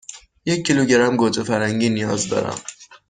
یک کیلوگرم گوجه فرنگی نیاز دارم.